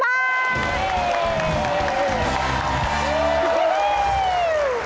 โอ้โฮ